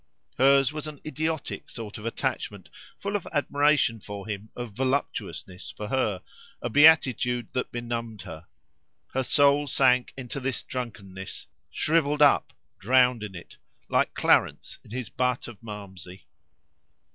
Hers was an idiotic sort of attachment, full of admiration for him, of voluptuousness for her, a beatitude that benumbed her; her soul sank into this drunkenness, shrivelled up, drowned in it, like Clarence in his butt of Malmsey. Off handedly.